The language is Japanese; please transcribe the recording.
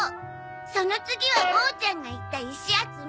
その次はボーちゃんが言った石集め。